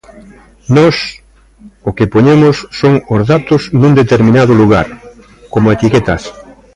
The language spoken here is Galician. Nós o que poñemos son os datos nun determinado lugar, como etiquetas.